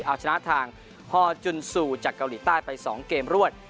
เอาชนะทางฮอร์จุนซูจากเกาหลีใต้ไป๒เกมรวด